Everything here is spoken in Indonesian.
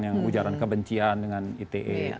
yang ujaran kebencian dengan ite